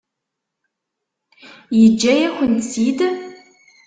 Yeǧǧa-yak-tent-id?